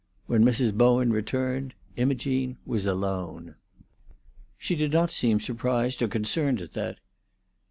When Mrs. Bowen returned Imogene was alone. She did not seem surprised or concerned at that.